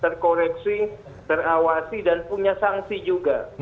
terkoreksi terawasi dan punya sanksi juga